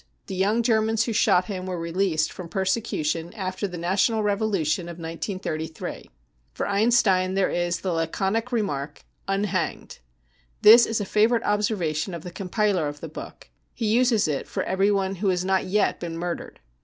The young Germans who shot him were released from persecution after the national revolution of 1933." For Einstein there is the laconic remark ;" Unhanged," This is a favourite observation of the compiler of thp book ; he uses it for everyone who has not yet been murdered.